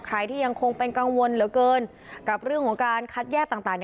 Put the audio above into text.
ใครที่ยังคงเป็นกังวลเหลือเกินกับเรื่องของการคัดแยกต่าง